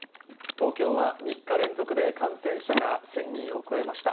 東京は３日連続で感染者が１０００人を超えました。